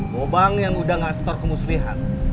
gouw bang yang udah ngastor kemuslihan